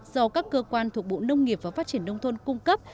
do các cơ quan thuộc bộ nông nghiệp và phát triển nông thôn cung cấp